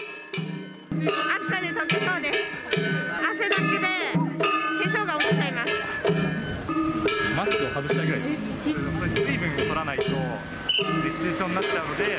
暑さで溶けそうです。